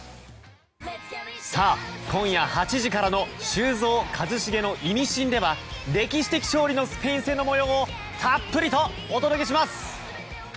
今夜８時からの「修造＆一茂のイミシン」では歴史的勝利のスペイン戦の模様をたっぷりとお届けします！